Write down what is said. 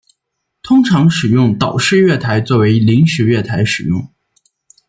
通常使用岛式月台作为临时月台使用。